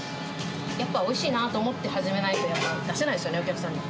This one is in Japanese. やっぱおいしいなと思って始めないと、やっぱ出せないですよね、お客さんに。